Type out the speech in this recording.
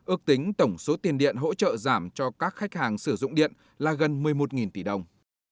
ước tính tổng số tiền điện hỗ trợ giảm cho các khách hàng sử dụng điện là gần một mươi một tỷ đồng